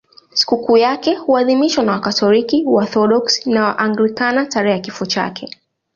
Sikukuu yake huadhimishwa na Wakatoliki, Waorthodoksi na Waanglikana tarehe ya kifo chake.